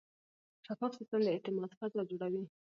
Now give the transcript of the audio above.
شفاف سیستم د اعتماد فضا جوړوي.